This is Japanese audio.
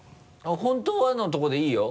本当はのところでいいよ。